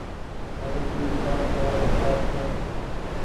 هر چئيز مآر سوائي بيڪآر ڇي۔